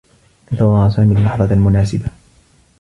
انتظر سامي اللّحظة المناسبة.